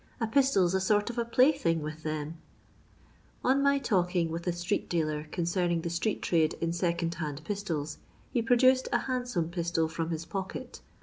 A pistol 's a sort of a plaything with On my talking with a street dealer concerning the street trade in second hand pistols, he pro dooed a handsome pistol from his pocket.